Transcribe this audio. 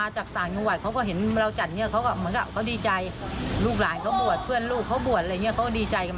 พวกทางตาใฉมีการการอุดที่ที่อเวท